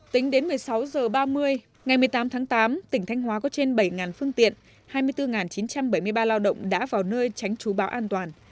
tính đến một mươi sáu h ba mươi ngày một mươi tám tháng tám tỉnh thanh hóa có trên bảy phương tiện hai mươi bốn chín trăm bảy mươi ba lao động đã vào nơi tránh trú bão an toàn